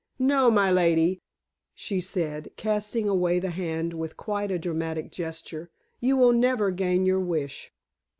"No, my lady," she said, casting away the hand with quite a dramatic gesture. "You will never gain your wish."